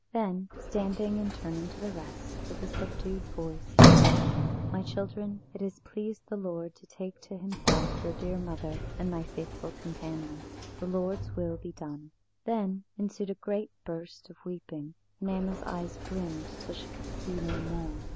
Then standing and turning to the rest, with a subdued voice he said: "My children, it has pleased the Lord to take to Himself your dear mother and my faithful companion. The Lord's will be done." Then ensued a great burst of weeping, and Anna's eyes brimmed till she could see no more.